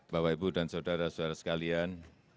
bapak ibu dan saudara saudara sekalian